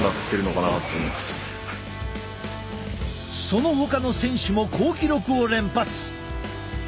そのほかの選手も好記録を連発！